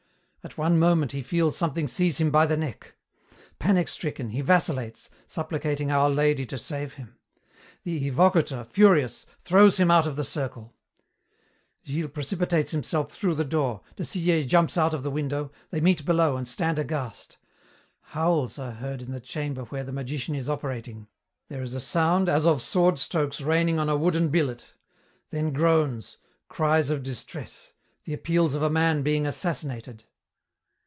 At one moment he feels something seize him by the neck. Panic stricken, he vacillates, supplicating Our Lady to save him. The evocator, furious, throws him out of the circle. Gilles precipitates himself through the door, de Sillé jumps out of the window, they meet below and stand aghast. Howls are heard in the chamber where the magician is operating. There is "a sound as of sword strokes raining on a wooden billet," then groans, cries of distress, the appeals of a man being assassinated.